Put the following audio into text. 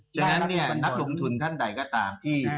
ฉะนั้นนักลงทุนท่านใดก็ตามที่